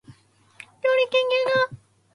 りょうりけんきゅうか